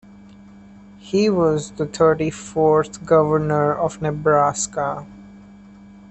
He was the thirty-fourth Governor of Nebraska.